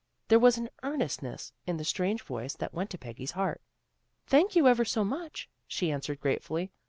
There was an earnestness hi the strange voice that went to Peggy's heart. " Thank you ever so much," she answered gratefully.